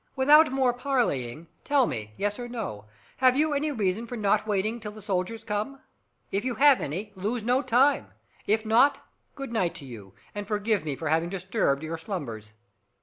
Without more parleying, tell me, yes or no, have you any reason for not waiting till the soldiers come? If you have any, lose no time! If not, good night to you, and forgive me for having disturbed your slumbers!"